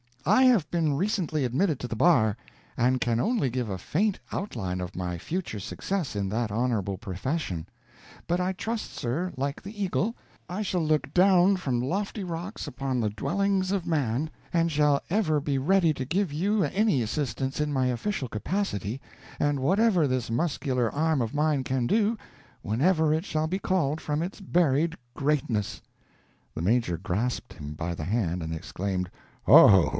I have been recently admitted to the bar, and can only give a faint outline of my future success in that honorable profession; but I trust, sir, like the Eagle, I shall look down from the lofty rocks upon the dwellings of man, and shall ever be ready to give you any assistance in my official capacity, and whatever this muscular arm of mine can do, whenever it shall be called from its buried greatness." The Major grasped him by the hand, and exclaimed: "O!